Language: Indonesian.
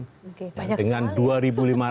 oke banyak sekali